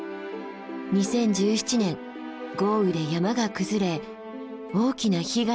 ２０１７年豪雨で山が崩れ大きな被害が出ました。